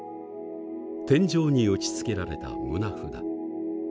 天井に打ちつけられた棟札。